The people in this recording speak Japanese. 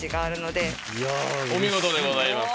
お見事でございます。